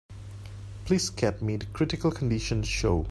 Please get me the Critical Condition show.